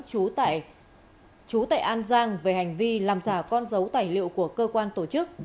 chú tại an giang về hành vi làm giả con dấu tài liệu của cơ quan tổ chức